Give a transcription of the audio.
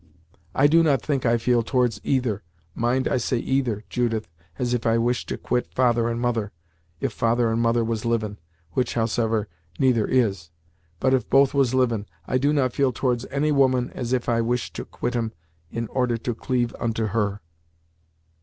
I do not think I feel towards either mind I say either, Judith as if I wished to quit father and mother if father and mother was livin', which, howsever, neither is but if both was livin', I do not feel towards any woman as if I wish'd to quit 'em in order to cleave unto her."